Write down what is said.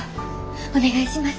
お願いします。